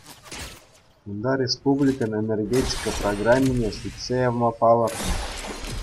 Унта республикӑн энергетика программине сӳтсе явма палӑртнӑ.